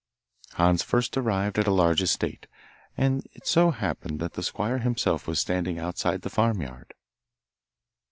Hans first arrived at a large estate, and it so happened that the squire himself was standing outside the farmyard.